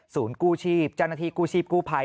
กู้ชีพเจ้าหน้าที่กู้ชีพกู้ภัย